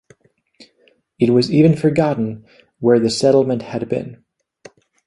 It was even forgotten where the settlement had been.